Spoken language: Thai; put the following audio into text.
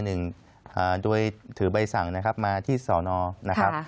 หนึ่งโดยถือใบสั่งนะครับมาที่สอนอนะครับ